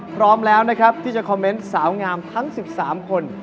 พร้อมแล้วนะครับที่จะคอมเมนต์สาวงามทั้ง๑๓คน